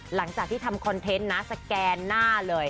หลังจากที่ทำคอนเทนต์นะสแกนหน้าเลย